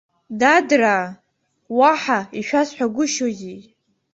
Дадраа, уаҳа ишәасҳәагәышьозеи.